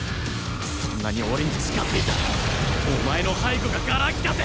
そんなに俺に近づいたらお前の背後ががら空きだぜ！